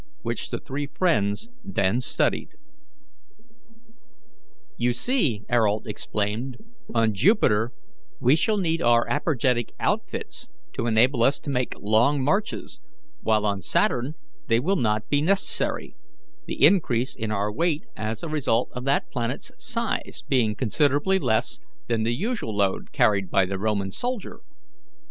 ................ 0.18 1.41 0.91 14.6 102(?) Neptune......... ......... 0.20 0 0.88 14.2 ..... "You see," Ayrault explained, "on Jupiter we shall need our apergetic outfits to enable us to make long marches, while on Saturn they will not be necessary, the increase in our weight as a result of that planet's size being considerably less than the usual load carried by the Roman soldier."